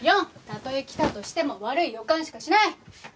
４たとえ来たとしても悪い予感しかしない。